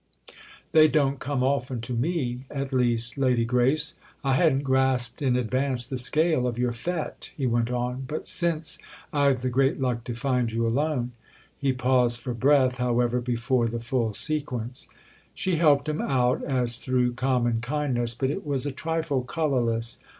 "They don't come often to me at least, Lady Grace! I hadn't grasped in advance the scale of your fête," he went on; "but since I've the great luck to find you alone—!" He paused for breath, however, before the full sequence. She helped him out as through common kindness, but it was a trifle colourless.